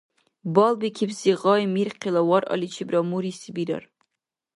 Балбикибси гъай мирхъила варъаличибра муриси бирар.